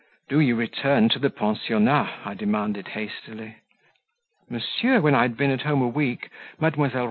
"Do you return to the pensionnat!" I demanded hastily. "Monsieur, when I had been at home a week Mdlle.